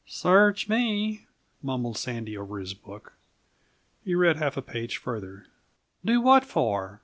"Search me," mumbled Sandy over his book. He read half a page farther. "Do what for?"